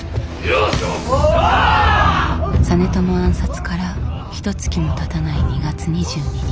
実朝暗殺からひとつきもたたない２月２２日。